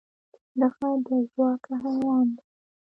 چنډخه دوه ژواکه حیوان دی